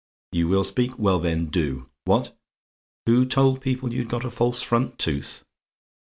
"YOU WILL SPEAK? "Well then, do. "What? "WHO TOLD PEOPLE YOU'D A FALSE FRONT TOOTH?